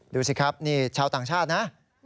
ดูสิครับนี่ชาวต่างชาตินะ